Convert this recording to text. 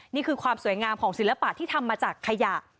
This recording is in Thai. นี่คือความสวยงามของศิลปะที่ทำมาจากขยะ